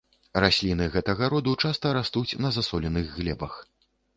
Расліны гэтага роду часта растуць на засоленых глебах.